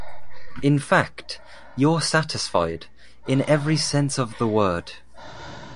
In fact, you’re satisfied, in every sense of the word.